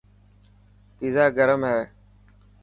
پيزا گرمي هي.